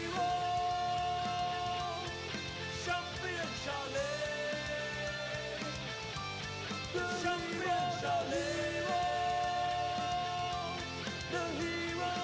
โดยกลับภาษาโดยรัก